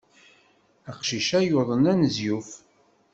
Aqcic-a yuḍen anezyuf.